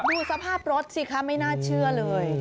ดูสภาพรถสิคะไม่น่าเชื่อเลย